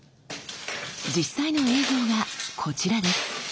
実際の映像がこちらです。